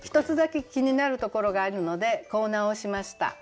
１つだけ気になるところがあるのでこう直しました。